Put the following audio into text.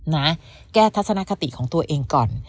นะแก้ทัศนคติของตัวเองก่อน